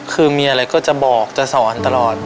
คือมีอะไรก็จะบอกจะสอนตลอด